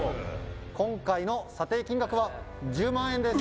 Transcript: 今回の査定金額は１０万円です。